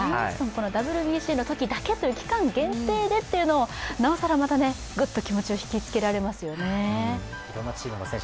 ＷＢＣのときだけという期間限定でというのがなおさらグッと気持ちを引きつけられますよね。